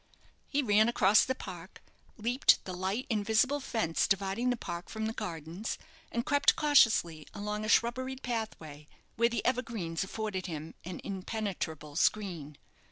He ran across the park, leaped the light, invisible fence dividing the park from the gardens, and crept cautiously along a shrubberied pathway, where the evergreens afforded him an impenetrable screen.